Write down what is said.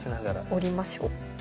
折りましょう。